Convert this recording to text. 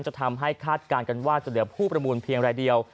จะทำให้คาดการณ์กันว่าจะเหลือผู้ประมูลเพียงรายเดียว